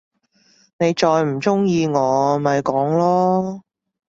你再唔中意我，咪講囉！